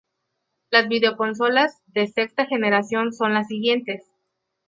Las videoconsolas de sexta generación son las siguientes.